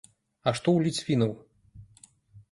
А што ў ліцвінаў?